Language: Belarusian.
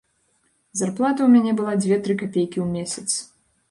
Зарплата ў мяне была дзве-тры капейкі ў месяц.